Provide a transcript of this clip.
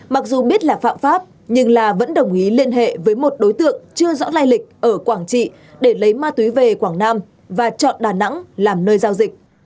mặc dù biết là phạm pháp nhưng la vẫn đồng ý liên hệ với một đối tượng chưa rõ lai lịch ở quảng trị để lấy ma túy về quảng nam và chọn đà nẵng làm nơi giao dịch